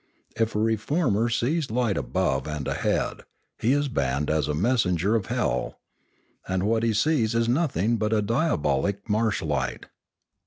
If a reformer sees light above and ahead, he is banned as a messenger of hell; and what he sees is nothing but a diabolic marshlight.